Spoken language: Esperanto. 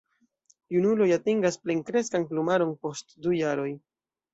Junuloj atingas plenkreskan plumaron post du jaroj.